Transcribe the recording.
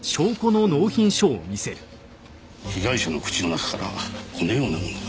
被害者の口の中からこのようなものが。